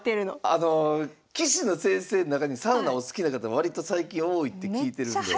あの棋士の先生の中にサウナお好きな方割と最近多いって聞いてるんで。